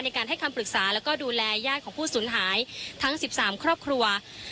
ในการให้คำปรึกษาแล้วก็ดูแลญาติของผู้สูญหายทั้ง๑๓ครอบครัว